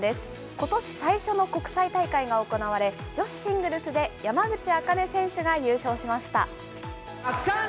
ことし最初の国際大会が行われ、女子シングルスで山口茜選手が優勝しました。